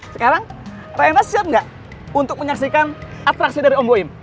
sekarang rayang nas siap ga untuk menyaksikan atraksi dari om boim